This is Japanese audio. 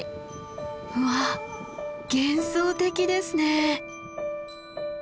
うわっ幻想的ですね。